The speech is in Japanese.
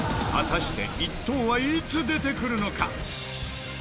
果たして１等はいつ出てくるのか？